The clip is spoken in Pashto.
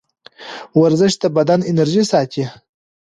ورزش د بدن انرژي ساتي.